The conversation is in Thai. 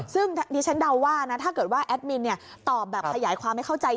ซึ่งดิฉันเดาว่านะถ้าเกิดว่าแอดมินตอบแบบขยายความให้เข้าใจ